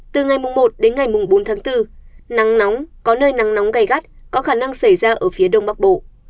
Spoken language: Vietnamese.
từ ngày một đến ngày bốn tháng bốn nắng nóng có nơi nắng nóng gai gắt có khả năng xảy ra ở phía đông bắc bộ